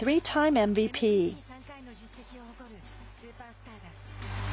ＭＶＰ３回の実績を誇るスーパースターだ。